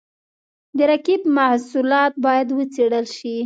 د رقیب محصولات باید وڅېړل شي.